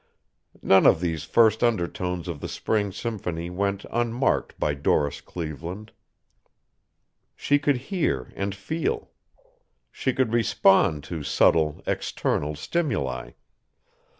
None of these first undertones of the spring symphony went unmarked by Doris Cleveland. She could hear and feel. She could respond to subtle, external stimuli.